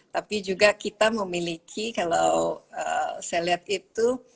tapi juga kita memiliki kalau saya lihat itu